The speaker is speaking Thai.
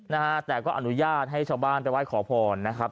นะฮะแต่ก็อนุญาตให้ชาวบ้านไปไหว้ขอพรนะครับ